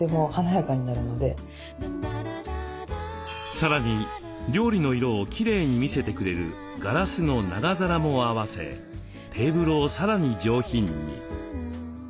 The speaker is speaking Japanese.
さらに料理の色をきれいに見せてくれるガラスの長皿も合わせテーブルをさらに上品に。